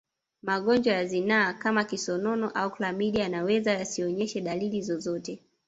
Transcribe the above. Magonjwa ya zinaa kama kisonono au klamidia yanaweza yasionyeshe dalili zozote